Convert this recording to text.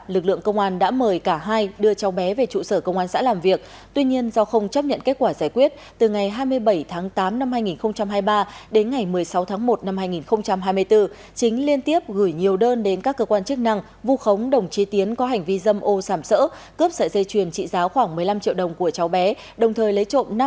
lực lượng cứu nạn đã cung cấp thức uống đồ ăn động viên du khách và đưa về khách sạn tại sapa